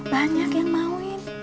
banyak yang mau